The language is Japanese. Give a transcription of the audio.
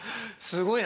◆すごい。